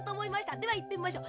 ではいってみましょう。